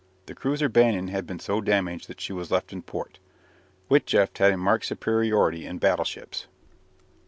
The cruiser "Bayan" had been so damaged that she was left in port. Witjeft had a marked superiority in battleships.